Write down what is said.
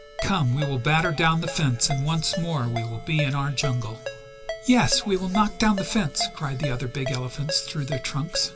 Come, we will batter down the fence and once more we will be in our jungle!" "Yes, we will knock down the fence!" cried the other big elephants through their trunks.